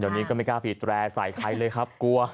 เดี๋ยวนี้ก็ไม่กล้าบีดแร่ใส่ใครเลยครับกลัว